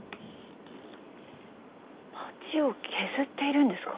バチを削っているんですか？